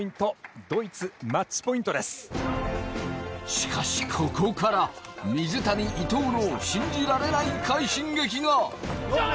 しかしここから水谷伊藤の信じられない快進撃が。